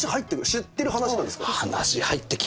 知ってる話なんですか？